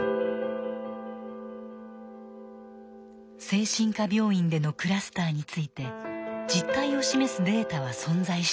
精神科病院でのクラスターについて実態を示すデータは存在していません。